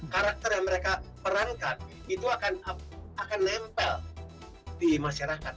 karakter yang mereka perankan itu akan nempel di masyarakat